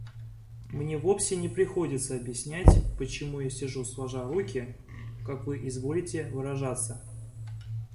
Мне вовсе не приходится объяснять почему я сижу сложа руки, как вы изволите выражаться.